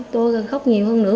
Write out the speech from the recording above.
tôi càng khóc nhiều hơn nữa